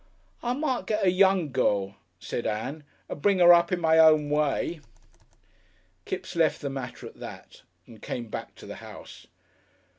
"I might get a young girl," said Ann, "and bring 'er up in my own way." Kipps left the matter at that and came back to the house.